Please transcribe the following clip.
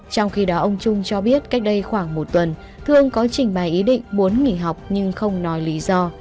trong khi đó ông trung cho biết cách đây khoảng một tuần thương có trình bày ý định muốn nghỉ học nhưng không nói lý do